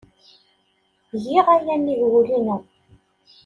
Giɣ aya nnig wul-inu!